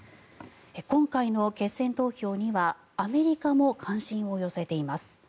今回の決選投票にはアメリカも関心を寄せています。